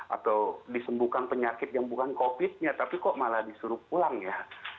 atau disembuhkan penyakit yang bukan covid nya tapi kok malah disuruh pulang ya